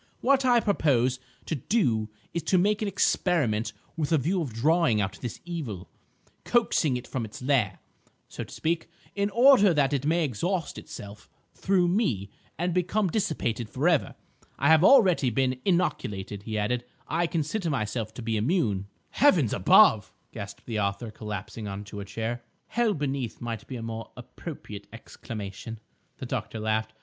What I propose to do is to make an experiment with a view of drawing out this evil, coaxing it from its lair, so to speak, in order that it may exhaust itself through me and become dissipated for ever. I have already been inoculated," he added; "I consider myself to be immune." "Heavens above!" gasped the author, collapsing on to a chair. "Hell beneath! might be a more appropriate exclamation," the doctor laughed.